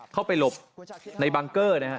เข้าไปหลบในบังเกอร์นะฮะ